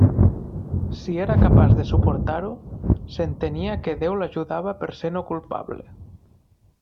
Si era capaç de suportar-ho, s'entenia que Déu l'ajudava per ser no culpable.